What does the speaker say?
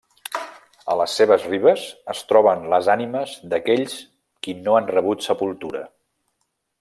A les seves ribes es troben les ànimes d'aquells qui no han rebut sepultura.